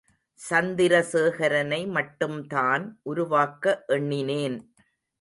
சந்திரசேகரனை மட்டும்தான் உருவாக்க எண்ணினேன்.